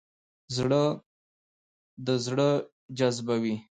زړه د زړه جذبوي.